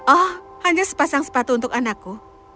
oh hanya sepasang sepatu untuk anakku